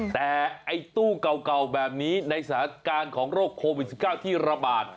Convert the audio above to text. แต่ไอ้ตู้เก่าแบบนี้ในสถานการณ์ของโรคโควิด๑๙ที่ระบาด